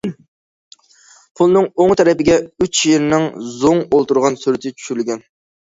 پۇلنىڭ ئوڭ تەرىپىگە ئۈچ شىرنىڭ زوڭ ئولتۇرغان سۈرىتى چۈشۈرۈلگەن.